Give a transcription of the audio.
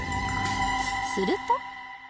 すると